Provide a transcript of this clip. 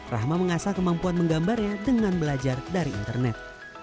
rahma mengasah kemampuan menggambarnya dengan belajar dari internet